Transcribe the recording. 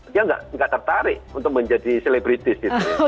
dia nggak tertarik untuk menjadi selebritis gitu